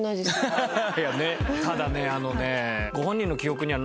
ただねあのね。